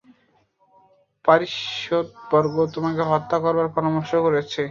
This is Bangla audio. পারিষদবর্গ তোমাকে হত্যা করবার পরামর্শ করছে!